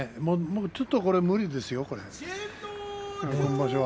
ちょっとこれは無理ですよ、今場所は。